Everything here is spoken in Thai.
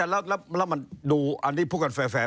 แล้วมันดูอันนี้พูดกันแฟร์